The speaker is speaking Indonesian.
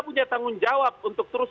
punya tanggung jawab untuk terus